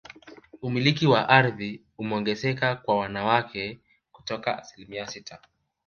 Umiliki wa ardhi umeongezeka kwa wanawake kutoka asilimia sita